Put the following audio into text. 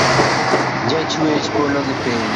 Ja chwech polo gi piny.